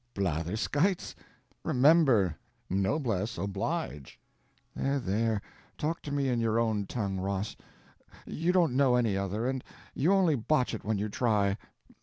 Blatherskites? Remember—noblesse oblige." "There, there—talk to me in your own tongue, Ross—you don't know any other, and you only botch it when you try.